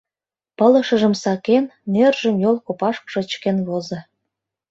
Пылышыжым сакен, нержым йол копашкыже чыкен возо.